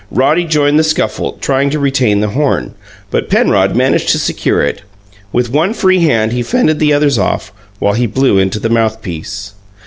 Roddy joined the scuffle, trying to retain the horn; but Penrod managed to secure it. With one free hand he fended the others off while he blew into the mouthpiece.